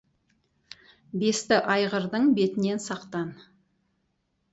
Бесті айғырдың бетінен сақтан.